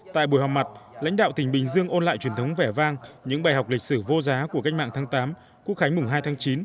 tại buổi họp mặt lãnh đạo tỉnh bình dương ôn lại truyền thống vẻ vang những bài học lịch sử vô giá của cách mạng tháng tám quốc khánh mùng hai tháng chín